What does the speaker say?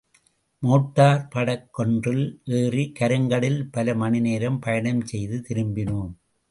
Motor படகொன்றில் ஏறி, கருங்கடலில் பல மணிநேரம் பயணஞ் செய்து திரும்பினோம்.